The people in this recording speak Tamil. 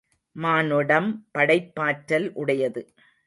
மானுடம் படைப்பாற்றல் உடையது.